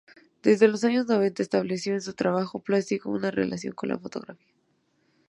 Desde los años noventa estableció en su trabajo plástico una relación con la fotografía.